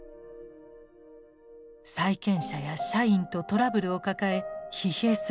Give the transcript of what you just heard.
債権者や社員とトラブルを抱え疲弊する夫。